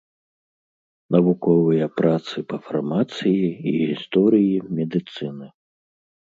Навуковыя працы па фармацыі і гісторыі медыцыны.